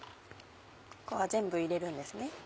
ここは全部入れるんですね。